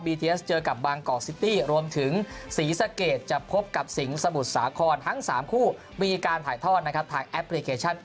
เอสเจอกับบางกอกซิตี้รวมถึงศรีสะเกดจะพบกับสิงห์สมุทรสาครทั้ง๓คู่มีการถ่ายทอดนะครับทางแอปพลิเคชัน